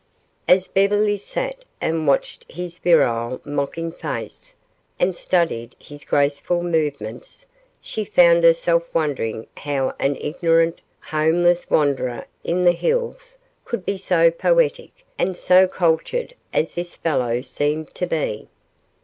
As Beverly sat and watched his virile, mocking face, and studied his graceful movements, she found herself wondering how an ignorant, homeless wanderer in the hills could be so poetic and so cultured as this fellow seemed to be.